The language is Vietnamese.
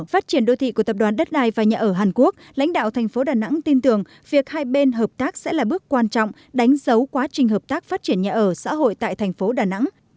phát triển đô thị của tập đoàn đất đai và nhà ở hàn quốc lãnh đạo thành phố đà nẵng tin tưởng việc hai bên hợp tác sẽ là bước quan trọng đánh dấu quá trình hợp tác phát triển nhà ở xã hội tại thành phố đà nẵng